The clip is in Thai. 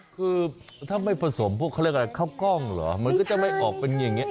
คือถ้าไม่ผสมพวกเขาเรียกอะไรข้าวกล้องเหรอมันก็จะไม่ออกเป็นอย่างนี้